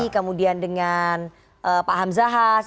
kemudian dengan pak hamzahas